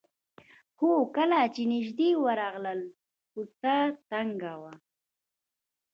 خو کله چې نژدې ورغلل کوڅه تنګه وه.